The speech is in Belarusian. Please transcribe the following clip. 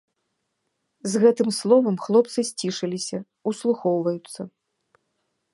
З гэтым словам хлопцы сцішыліся, услухоўваюцца.